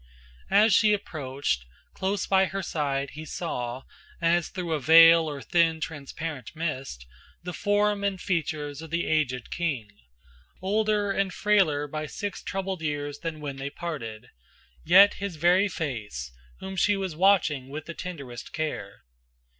As she approached, close by her side he saw, As through a veil or thin transparent mist, The form and features of the aged king, Older and frailer by six troubled years Than when they parted, yet his very face, Whom she was watching with the tenderest care.